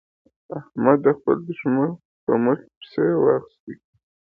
احمد خپل دوښمن په مخه پسې واخيست.